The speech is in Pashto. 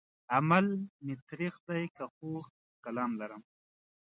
عمل مې تريخ دی که خوږ کلام لرم